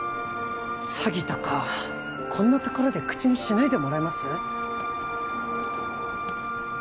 詐欺とかこんなところで口にしないでもらえます？